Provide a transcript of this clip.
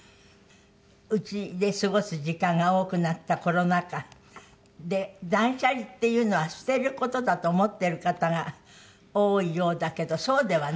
うちで過ごす時間が多くなったコロナ禍で断捨離っていうのは捨てる事だと思ってる方が多いようだけどそうではないと。